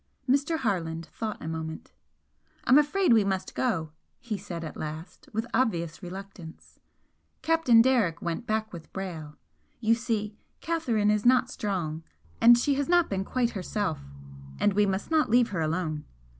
Mr. Harland thought a moment. "I'm afraid we must go" he said, at last, with obvious reluctance "Captain Derrick went back with Brayle. You see, Catherine is not strong, and she has not been quite herself and we must not leave her alone.